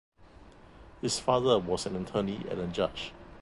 His father was an attorney and a Judge.